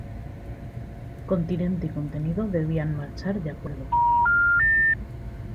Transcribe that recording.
Continente y contenido debían marchar de acuerdo.